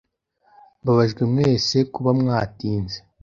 Mbabajwe mwese kuba mwatinze.